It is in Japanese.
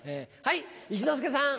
一之輔さん。